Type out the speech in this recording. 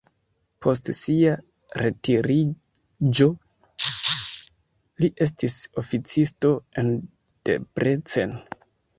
Post sia retiriĝo li estis oficisto en Debrecen.